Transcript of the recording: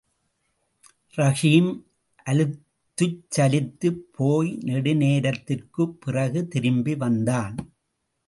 ரஹீம், அலுத்துச்சலித்துப் போய் நெடுநேரத்திற்குப் பிறகு திரும்பி வந்தான்.